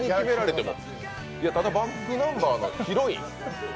ｂａｃｋｎｕｍｂｅｒの「ヒロイン」